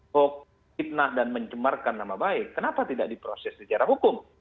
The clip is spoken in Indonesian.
hoax fitnah dan mencemarkan nama baik kenapa tidak diproses secara hukum